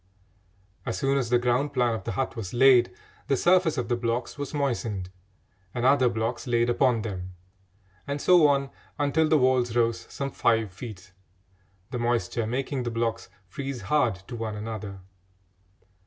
As soon as the ground plan of the hut was laid, the surface of the blocks was moistened and other blocks laid upon them, and so on until the walls rose some five feet, the moisture making the blocks freeze hard to one another.